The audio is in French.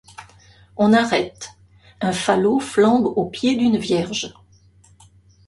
On arrête. Un falot flambe aux pieds d'une Vierge.